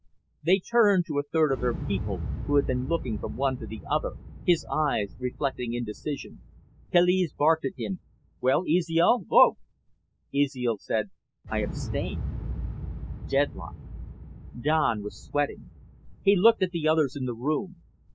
They turned to the third of their people, who had been looking from one to the other, his eyes reflecting indecision. Kaliz barked at him: "Well, Ezial? Vote!" Ezial said, "I abstain." Deadlock. Don was sweating. He looked at the others in the room.